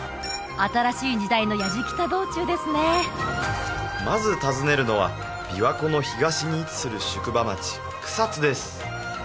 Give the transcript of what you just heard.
新しい時代の弥次喜多道中ですねまず訪ねるのは琵琶湖の東に位置する宿場町草津です